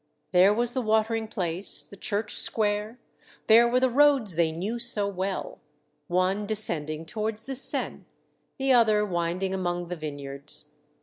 There was the watering place, the church square, there were the roads they knew so well, one de scending towards the Seine, the other winding among the vineyards.